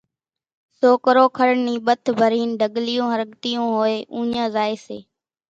سوڪرو کڙ نِي ٻٿ ڀرين ڍڳليون ۿرڳتيون ھوئي اُوڃان زائي سي